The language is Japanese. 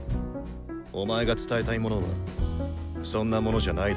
お前が伝えたいものはそんなものじゃないだろう？